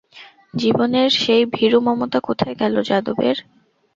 জীবনের সেই ভীরু মমতা কোথায় গেল যাদবের?